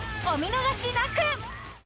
お見逃しなく。